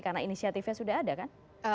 karena inisiatifnya sudah ada kan